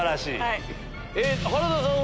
原田さん